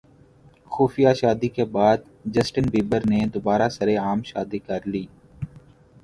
خفیہ شادی کے بعد جسٹن بیبر نے دوبارہ سرعام شادی کرلی